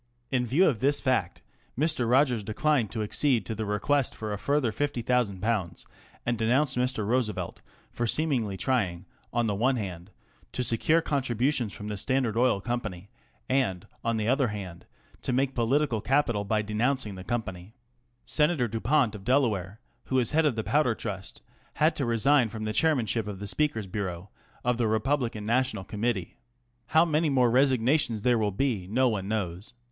In view of this fact, Mr. Rogers declined to accede to the request for a further ^50,000, and denounced Mr. Roosevelt for seemingly^trying, on the one hand, to secure contributions from the Standard Oil Com pany, and, on the other hand, to make political capital by denouncing the company. Senator Dupont of Delaware, who is head of the Powder Trust, had to resign from the Chairmanship of the Speaker's Bureau of the Republican National Committee. How many more resignations there will be no one knows.